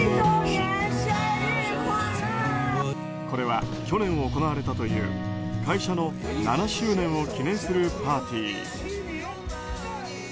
これは去年行われたという会社の７周年を記念するパーティー。